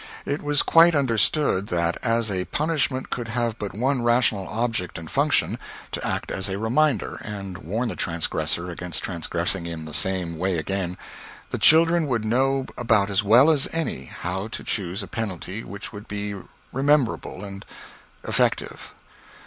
It was quite understood that, as a punishment could have but one rational object and function to act as a reminder, and warn the transgressor against transgressing in the same way again the children would know about as well as any how to choose a penalty which would be rememberable and effective.